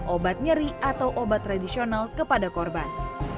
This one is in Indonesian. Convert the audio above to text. obat nyeri atau obat tradisional kepada korban